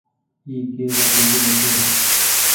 اي ڪي رو ڪوڪڙو ڇي۔